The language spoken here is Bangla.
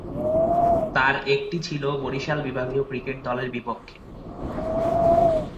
তার একটি ছিল বরিশাল বিভাগীয় ক্রিকেট দলের বিপক্ষে।